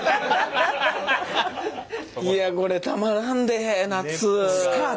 いやこれたまらんで夏。